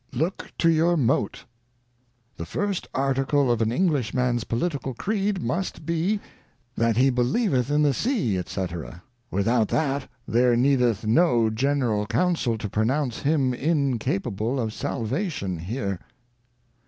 Look to your Moate. ' The first Article of an English man's Political Creed must be, That he believeth in the Sea, &c. without that there needeth no General Council to pronounce him in capable of Salvation here.'